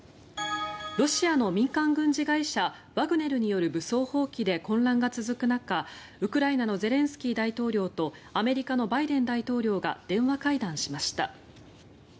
ロシアの民間軍事会社ワグネルによる武装蜂起で混乱が続く中ウクライナのゼレンスキー大統領とアメリカのバイデン大統領が電話会談しました。